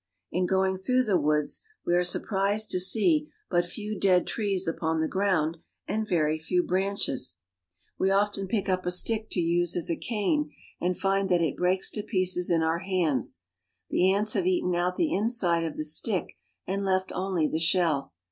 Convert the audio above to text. In going through the woods we are surprised to see but few dead trees upon the ground and very few branches. ABOUT KUKA AND LAKE TCHAD 173 We often pick up a. stick to use as a cane and find that it breaks to pieces in our hands. The ants have eaten out the inside of the stick and left only the shell.